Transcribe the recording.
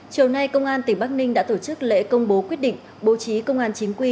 chiều nay công an tỉnh bắc ninh đã tổ chức lễ công bố quyết định bố trí công an chính quy